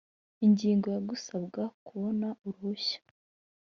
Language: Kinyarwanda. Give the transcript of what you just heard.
ingingo ya gusabwa kubona uruhushya